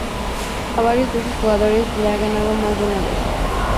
A varios de estos jugadores le ha ganado más de una vez.